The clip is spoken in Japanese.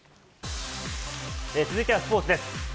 続いてはスポーツです。